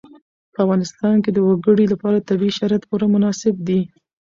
په افغانستان کې د وګړي لپاره طبیعي شرایط پوره مناسب دي.